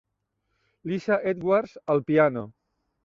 Lisa Edwards al piano.